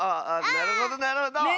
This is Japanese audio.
なるほどなるほど。ね。